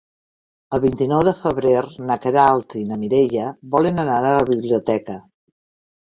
El vint-i-nou de febrer na Queralt i na Mireia volen anar a la biblioteca.